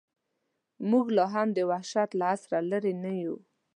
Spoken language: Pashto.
موږ لا هم د وحشت له عصره لرې نه یو.